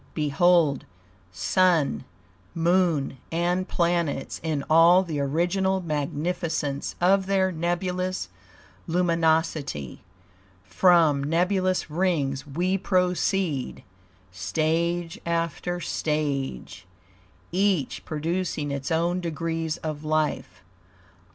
Behold Sun, Moon and planets in all the original magnificence of their nebulous luminosity; from nebulous rings we proceed, stage after stage, each producing its own degrees of life.